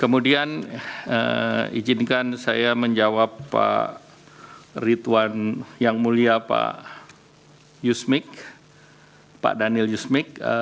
kemudian izinkan saya menjawab pak ridwan yang mulia pak yusmik pak daniel yusmik